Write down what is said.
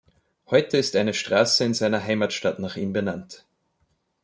Heute ist eine Straße in seiner Heimatstadt nach ihm benannt.